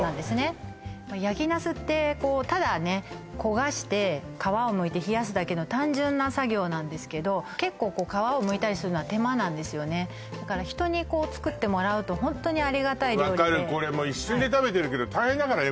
なるほど焼きナスってこうただね焦がして皮をむいて冷やすだけの単純な作業なんですけど結構こう皮をむいたりするのは手間なんですよねだから人にこう作ってもらうとホントにありがたい料理で分かるこれもう一瞬で食べてるけど大変だからね